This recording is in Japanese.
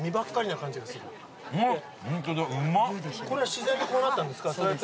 これは自然とこうなったんですか？